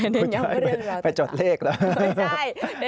ไม่ใช่ไปจดเลขแล้ว